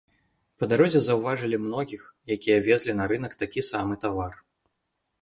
Па дарозе заўважылі многіх, якія везлі на рынак такі самы тавар.